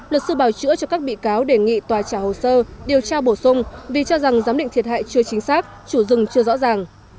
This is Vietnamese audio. luật sư bảo chữa cho các bị cáo đề nghị tòa trả hồ sơ điều tra bổ sung vì cho rằng giám định thiệt hại chưa chính xác chủ rừng chưa rõ ràng